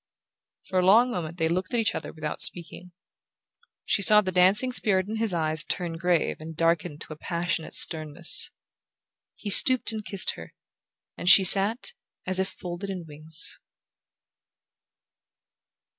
For a long moment they looked at each other without speaking. She saw the dancing spirit in his eyes turn grave and darken to a passionate sternness. He stooped and kissed her, and she sat as if folded in wings.